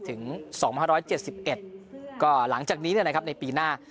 ถึง๒๕๗๑ก็หลังจากนี้ในปีหน้า